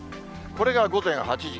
これが午前８時。